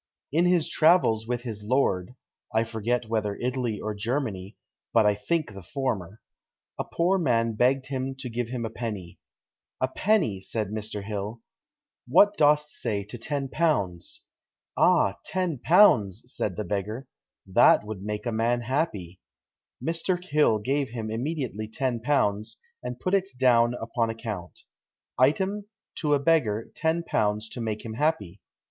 "In his travels with his lord (I forget whether Italy or Germany, but I think the former), a poor man begged him to give him a penny. 'A penny!' said Mr. Hill; 'what dost say to ten pounds?' 'Ah! ten pounds,' said the beggar; 'that would make a man happy.' Mr. Hill gave him immediately ten pounds, and putt it downe upon account. Item, to a beggar ten pounds to make him happy!"